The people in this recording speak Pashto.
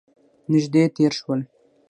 نژدې تیر شول